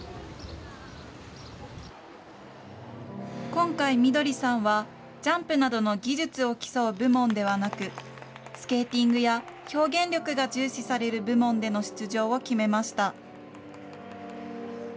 今回、みどりさんは、ジャンプなどの技術を競う部門ではなく、スケーティングや表現力が重視される部門での出場を決めました。